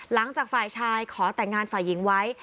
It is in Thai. หลังจากฝ่ายชายขอแต่งงานฝ่ายหญิงไว้